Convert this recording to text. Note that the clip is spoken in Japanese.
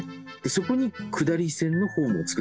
そこに下り線のホームを造ったんです。